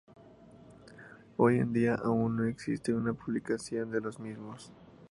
Hoy en día aún no existe una publicación de los mismos.